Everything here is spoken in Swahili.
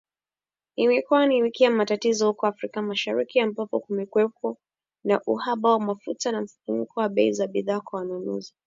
Imekuwa ni wiki ya matatizo huko Afrika Mashariki, ambako kumekuwepo na uhaba wa mafuta na mfumuko wa bei za bidhaa kwa wanunuzi